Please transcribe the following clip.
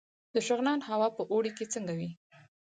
د شغنان هوا په اوړي کې څنګه وي؟